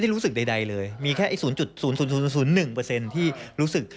รู้สึกใดเลยมีแค่๐๐๑ที่รู้สึก